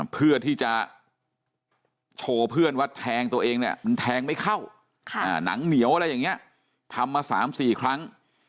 เพื่อที่จะโชว์เพื่อนว่าแทงตัวเองเนี่ยมันแทงไม่เข้าหนังเหนียวอะไรอย่างนี้ทำมา๓๔ครั้ง